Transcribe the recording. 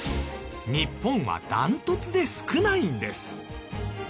日本は断トツで少ないんです。